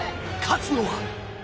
勝つのは！？